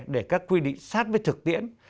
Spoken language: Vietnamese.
để các quy định sát với thực tiễn